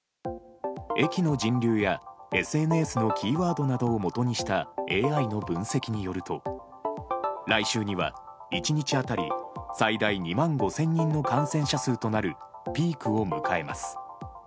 駅の人流やＳＮＳのキーワードなどをもとにしたＡＩの分析によると来週には１日当たり最大２万５０００人の感染者数となるピークを迎えます。